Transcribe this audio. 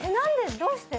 どうして？